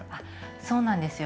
そうなんですよ。